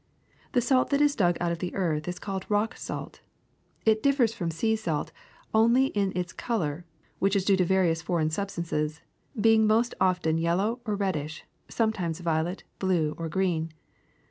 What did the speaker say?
This salt that is dug out of the earth is called rock salt. It differs from sea salt only in its color, which is due to various foreign substances, being most often yellow or reddish, sometimes violet, blue, or green.